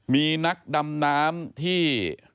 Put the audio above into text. มีนักดำน้ำที่